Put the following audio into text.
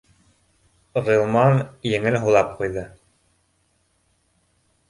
Ғилман еңел һулап ҡуйҙы